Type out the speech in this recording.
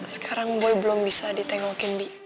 sekarang gue belum bisa ditengokin bi